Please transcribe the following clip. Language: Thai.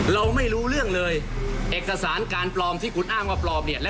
โปรดติดตามตอนต่อไป